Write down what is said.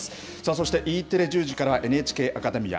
そして、Ｅテレ１０時からはＮＨＫアカデミア。